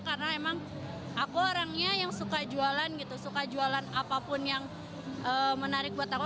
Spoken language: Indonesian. karena emang aku orangnya yang suka jualan gitu suka jualan apapun yang menarik buat aku